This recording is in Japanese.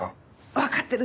わかってる。